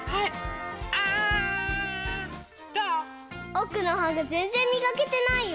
おくのはがぜんぜんみがけてないよ！